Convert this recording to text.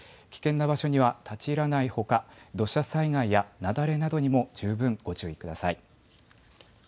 危険な場所には立ち入らないほか土砂災害や雪崩などにも十分ご注意ください。